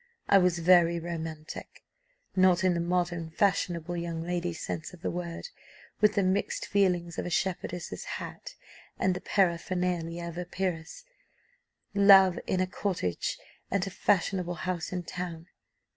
I was very romantic, not in the modern fashionable young lady sense of the word, with the mixed ideas of a shepherdess's hat and the paraphernalia of a peeress love in a cottage, and a fashionable house in town.